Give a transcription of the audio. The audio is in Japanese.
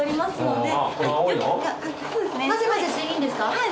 はい。